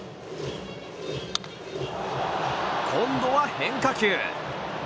今度は変化球。